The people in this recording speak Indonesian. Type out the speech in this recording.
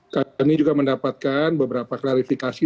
kita ini juga mendapatkan beberapa klarifikasi